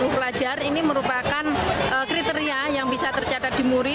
satu ratus tiga puluh pelajar ini merupakan kriteria yang bisa tercatat di muri